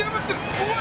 怖い！